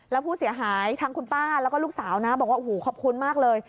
แล้วผู้เสียหายทางคุณป้าแล้วก็ลูกสาวนะบอกว่าโอ้โหขอบคุณมากเลย